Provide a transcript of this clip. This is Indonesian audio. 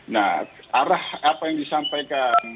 nah arah apa yang disampaikan